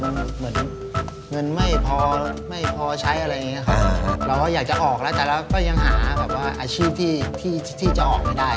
มันเหมือนเงินไม่พอไม่พอใช้อะไรอย่างนี้ครับเราก็อยากจะออกแล้วแต่เราก็ยังหาแบบว่าอาชีพที่จะออกไม่ได้